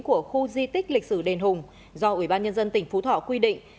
của khu di tích lịch sử đền hùng do ủy ban nhân dân tỉnh phú thọ quy định